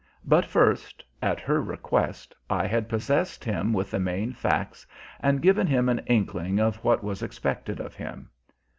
But first, at her request, I had possessed him with the main facts and given him an inkling of what was expected of him.